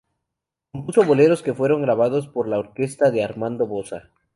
Compuso boleros que fueron grabados por la orquesta de Armando Boza.